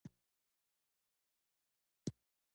بامیان د افغانستان د ناحیو ترمنځ مهم تفاوتونه رامنځ ته کوي.